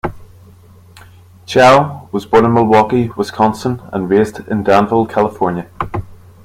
Chiao was born in Milwaukee, Wisconsin and raised in Danville, California.